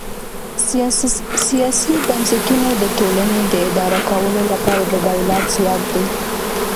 سیاسي بنسټونه د ټولنې د اداره کولو لپاره د دولت ځواک دی.